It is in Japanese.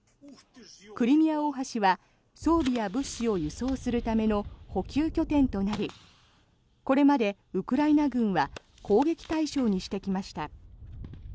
クリミア大橋は装備や物資を輸送するための補給拠点となりこれまでウクライナ軍は攻撃対象にしてきました。